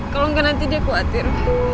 kalau enggak nanti dia khawatir